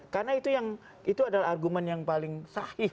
karena itu yang itu adalah argumen yang paling sahih